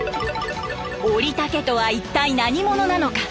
オリタ家とは一体何者なのか？